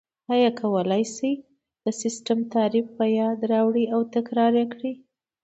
ایا کولای شئ د سیسټم تعریف په یاد راوړئ او تکرار یې کړئ؟